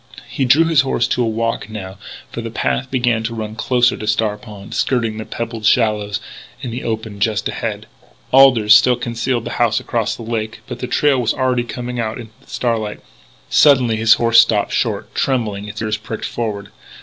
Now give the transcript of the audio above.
He drew his horse to a walk, now, for the path began to run closer to Star Pond, skirting the pebbled shallows in the open just ahead. Alders still concealed the house across the lake, but the trail was already coming out into the starlight. Suddenly his horse stopped short, trembling, its ears pricked forward.